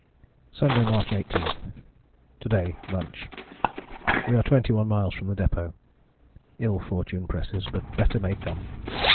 "Sunday, March 18. To day, lunch, we are 21 miles from the depôt. Ill fortune presses, but better may come.